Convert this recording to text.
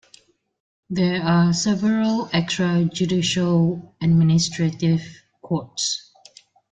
There are also several extrajudicial administrative courts.